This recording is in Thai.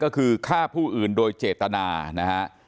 ก็คือฆ่าผู้อื่นโดยเจตนานะฮะ